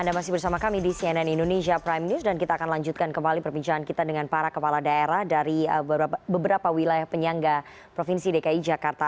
anda masih bersama kami di cnn indonesia prime news dan kita akan lanjutkan kembali perbincangan kita dengan para kepala daerah dari beberapa wilayah penyangga provinsi dki jakarta